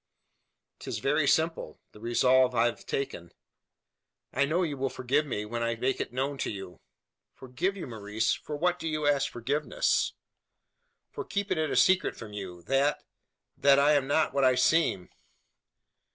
"'Tis very simple the resolve I have taken. I know you will forgive me, when I make it known to you." "Forgive you, Maurice! For what do you ask forgiveness?" "For keeping it a secret from you, that that I am not what I seem."